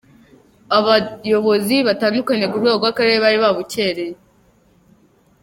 Abayobozi batandukanye ku rwego rw'akarere bari babukereye.